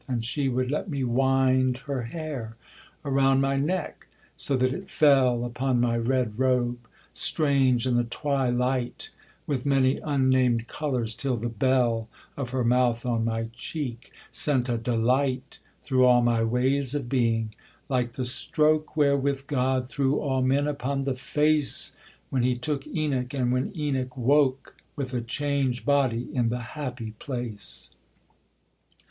And she would let me wind Her hair around my neck, so that it fell Upon my red robe, strange in the twilight With many unnamed colours, till the bell Of her mouth on my cheek sent a delight Through all my ways of being; like the stroke Wherewith God threw all men upon the face When he took Enoch, and when Enoch woke With a changed body in the happy place.